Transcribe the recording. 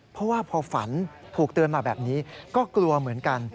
เพราะว่าพอฝันถูกเตือนมาแบบนี้ก็กลัวเหมือนกัน